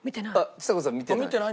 ちさ子さん見てない？